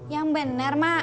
yang bener mak